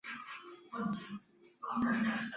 他是荒诞派戏剧的重要代表人物。